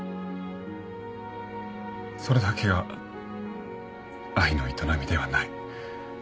それだけが愛の営みではない。